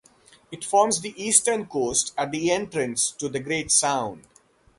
It forms the eastern coast at the entrance to the Great Sound.